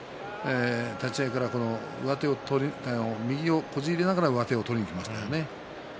立ち合いから上手が右をこじ入れながら上手を取りにいきましたね。